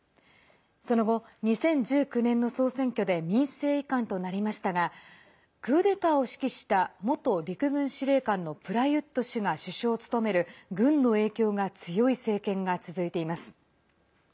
その後、２０１９年の総選挙で民政移管となりましたがクーデターを指揮した元陸軍司令官のプラユット氏が首相を務める軍の影響が強い政権が続いています。